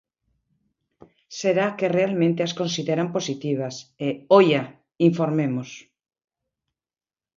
Será que realmente as consideran positivas, e ¡oia!, informemos.